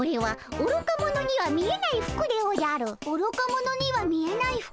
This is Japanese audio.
おろか者には見えない服？